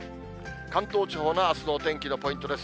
関東地方のあすのお天気のポイントです。